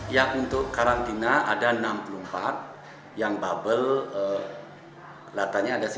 yang untuk karantina ada enam puluh empat yang bubble latarnya ada dua puluh satu an